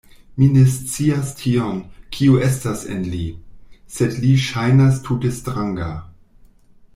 Mi ne scias tion, kio estas en li; sed li ŝajnas tute stranga.